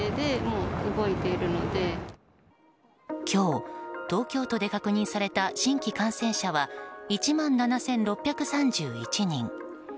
今日、東京都で確認された新規感染者は１万７６３１人。